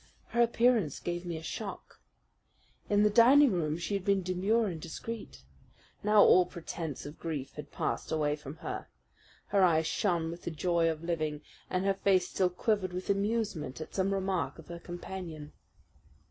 Her appearance gave me a shock. In the dining room she had been demure and discreet. Now all pretense of grief had passed away from her. Her eyes shone with the joy of living, and her face still quivered with amusement at some remark of her companion.